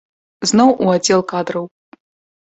Зноў у аддзел кадраў.